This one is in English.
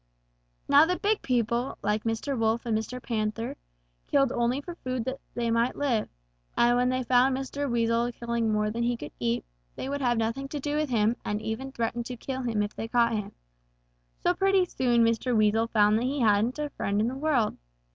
"Now the big people, like Mr. Wolf and Mr. Panther, killed only for food that they might live, and when they found Mr. Weasel killing more than he could eat, they would have nothing to do with him and even threatened to kill him if they caught him. So pretty soon Mr. Weasel found that he hadn't a friend in the world.